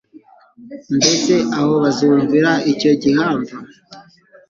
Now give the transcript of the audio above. Mbese aho bazumvira icyo gihamva?